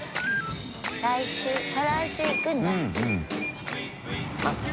再来週行くんだ。